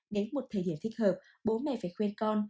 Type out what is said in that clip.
đến một thời điểm thích hợp bố mẹ phải khuyên con